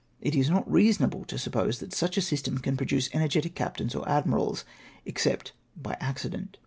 It is not reasonable to suppose that such a system can produce energetic captains or admirals, except by accident.